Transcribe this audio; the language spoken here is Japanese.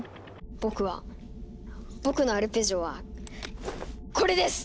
僕は僕のアルペジオはこれです！